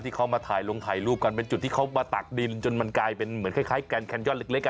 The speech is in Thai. ที่เขามาถ่ายลงถ่ายรูปกันเป็นจุดที่เขามาตักดินจนมันกลายเป็นเหมือนคล้ายแกนแคนย่อนเล็ก